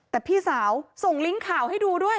แต่พี่สาวส่งลิงก์ข่าวให้ดูด้วย